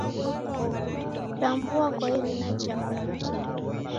Kutambua kwa irina jako nikii?